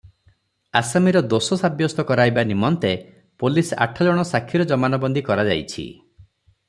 ଆସାମୀର ଦୋଷ ସାବ୍ୟସ୍ତ କରାଇବା ନିମନ୍ତେ ପୋଲିସ ଆଠଜଣ ସାକ୍ଷୀର ଜମାନବନ୍ଦୀ କରାଯାଇଛି ।